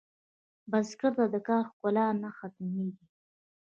بزګر ته د کار ښکلا نه ختمېږي